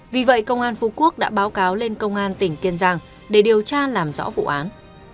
vì vậy công an phú quốc đã báo cáo lên công an tỉnh kiên giang để điều tra làm rõ vụ án